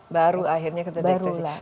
baru akhirnya keterdekadasi